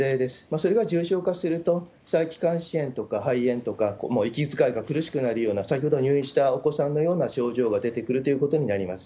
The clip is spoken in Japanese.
それが重症化すると、細気管支炎とか肺炎とか、息遣いが苦しくなるような、先ほど入院したお子さんのような症状が出てくるということになります。